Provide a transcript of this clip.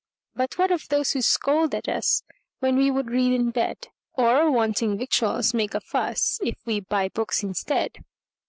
"But what of those who scold at usWhen we would read in bed? Or, wanting victuals, make a fussIf we buy books instead?